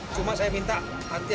cuma saya minta hati hati sosial media